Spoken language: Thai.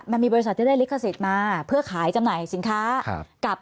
บริษัทที่ได้ลิขสิทธิ์มาเพื่อขายจำหน่ายสินค้ากับ